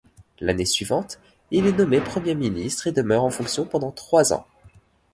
L'année suivante, il est nommé Premier ministre et demeure en fonction pendant trois ans.